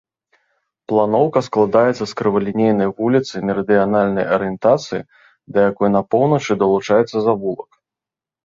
Планоўка складаецца з крывалінейнай вуліцы мерыдыянальнай арыентацыі, да якой на поўначы далучаецца завулак.